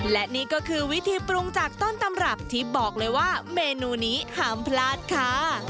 และนี่ก็คือวิธีปรุงจากต้นตำรับที่บอกเลยว่าเมนูนี้ห้ามพลาดค่ะ